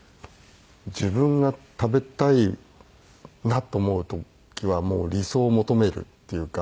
自分が食べたいなと思う時はもう理想を求めるっていうか。